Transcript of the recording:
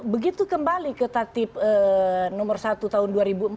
begitu kembali ke tatib nomor satu tahun dua ribu empat belas